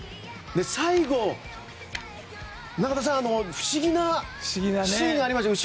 最後、中田さん不思議なシーンがありましたね。